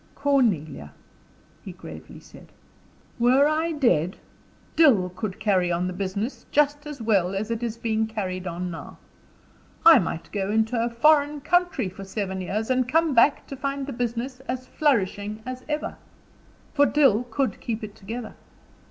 "Cornelia," he gravely said, "were I dead, Dill could carry on the business just as well as it is being carried on now. I might go into a foreign country for seven years and come back to find the business as flourishing as ever, for Dill could keep it together.